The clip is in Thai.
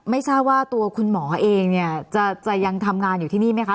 ไม่ทราบว่าตัวคุณหมอเองเนี่ยจะยังทำงานอยู่ที่นี่ไหมคะ